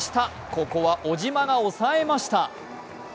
ここは小島が抑えました。